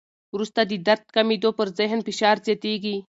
وروسته د درد کمېدو، پر ذهن فشار زیاتېږي.